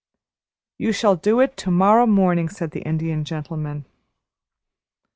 "You shall do it to morrow morning," said the Indian Gentleman.